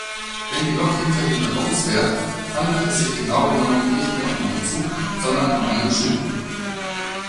Wenn die Lok hinter den Waggons fährt, handelt es sich genau genommen nicht mehr um einen Zug sondern um einen Schub.